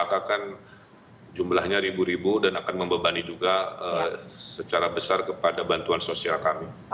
akan jumlahnya ribu ribu dan akan membebani juga secara besar kepada bantuan sosial kami